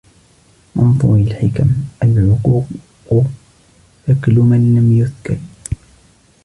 مَنْثُورِ الْحِكَمِ الْعُقُوقُ ثَكْلُ مَنْ لَمْ يُثْكَلْ